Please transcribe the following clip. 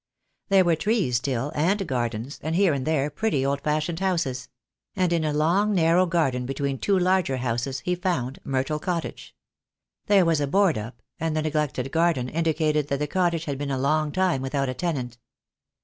There were trees still, and gardens, and here and there pretty, old fashioned houses; and in a long narrow garden between two larger houses he found Myrtle Cottage. There was a board up, and the neglected garden indicated that the cottage had been a long time without a tenant.